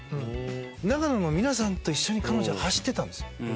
長野の皆さんと一緒に彼女走ってたんですよ。